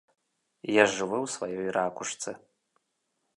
Я жыву ў сваёй ракушцы.